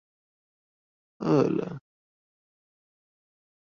餓了